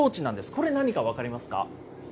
これ、何か分かりますか。